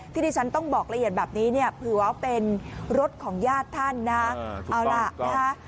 ที่ที่ฉันต้องบอกละเอียดแบบนี้เนี่ยเผื่อว่าเป็นรถของญาติท่านนะเอาล่ะนะคะ